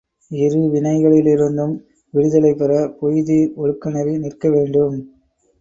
இருவினைகளிலிருந்தும் விடுதலை பெற, பொய்தீர் ஒழுக்கநெறி நிற்க வேண்டும்.